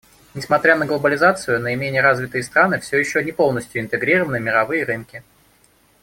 Несмотря на глобализацию, наименее развитые страны все еще не полностью интегрированы в мировые рынки.